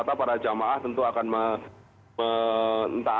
itu semua rata para jamaah tentu akan menentangnya